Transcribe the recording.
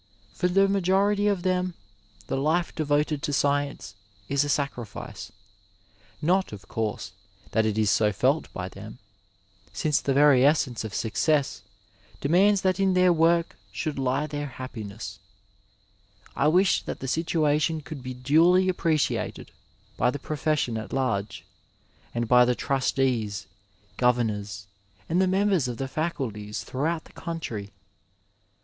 For a majority of them the life devoted to science is a sacrifice ; not, of course, that it is so felt by them, since the very essence of success demands that in their work 206 Digitized by Google AFTER TWENTY FIVE TEARS should lie their happiness. I wish that the sitaation could be duly appreciated by the profession at large, and by the trustees, governors and the members of the Acuities throughout the country.